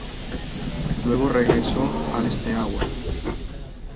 Luego regresó al Steaua.